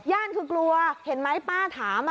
คือกลัวเห็นไหมป้าถาม